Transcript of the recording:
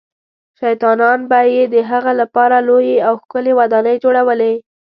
شیطانان به یې د هغه لپاره لویې او ښکلې ودانۍ جوړولې.